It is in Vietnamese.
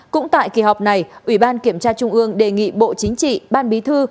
năm cũng tại kỳ họp này ủy ban kiểm tra trung ương đề nghị bộ chính trị ban bí thư